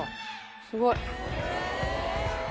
すごい。